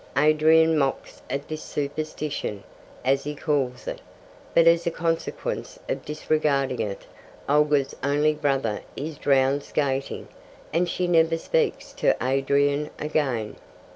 Adrian mocks at this superstition, as he calls it, but as a consequence of disregarding it, Olga's only brother is drowned skating, and she never speaks to Adrian again.